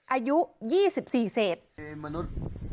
อายุ๒๔เศษ